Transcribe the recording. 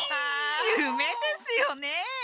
ゆめですよね。